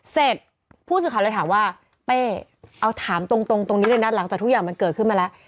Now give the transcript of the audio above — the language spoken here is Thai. เสร็จผู้สื่อข่าวเลยถามว่าเป้เอาถามตรงตรงนี้เลยนะหลังจากทุกอย่างมันเกิดขึ้นมาแล้ว